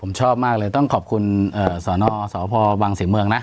ผมชอบมากเลยต้องขอบคุณสนสพวังศรีเมืองนะ